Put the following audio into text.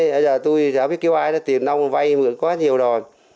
bây giờ tôi chả biết kêu ai nữa tiền nông vay mượn có hết nhiều đồ